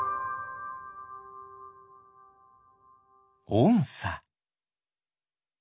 おんさ。